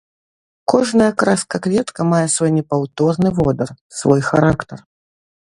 Кожная краска-кветка мае свой непаўторны водар, свой характар.